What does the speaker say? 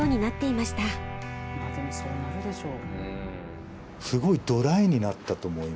でもそうなるでしょう。